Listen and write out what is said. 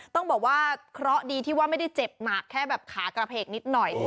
ต้องบอกว่าเคราะห์ดีที่ว่าไม่ได้เจ็บหนักแค่แบบขากระเพกนิดหน่อย